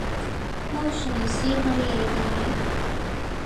會嘗試去理解